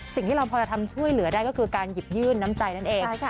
สิ่งที่เราพอจะทำช่วยเหลือได้ก็คือการหยิบยื่นน้ำใจนั่นเอง